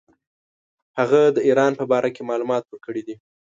هغه د ایران په باره کې معلومات ورکړي دي.